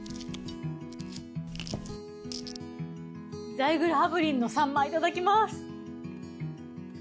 ザイグル炙輪のさんまいただきます。